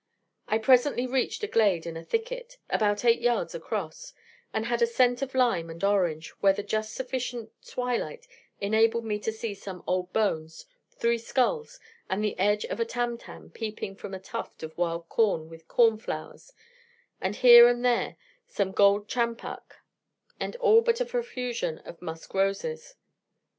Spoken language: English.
I presently reached a glade in a thicket, about eight yards across, that had a scent of lime and orange, where the just sufficient twilight enabled me to see some old bones, three skulls, and the edge of a tam tam peeping from a tuft of wild corn with corn flowers, and here and there some golden champac, and all about a profusion of musk roses.